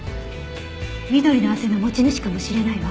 緑の汗の持ち主かもしれないわ。